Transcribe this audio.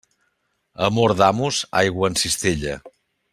Amor d'amos, aigua en cistella.